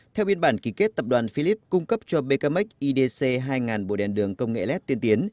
theo biên bản ký kết tập đoàn philip cung cấp cho becamec idc hai bộ đèn đường công nghệ led tiên tiến